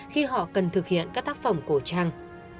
khi họ cần thực hiện các tác phẩm cổ trang